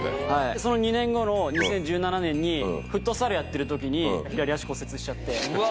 その２年後の２０１７年に、フットサルやってるときに左足骨折しちゃって。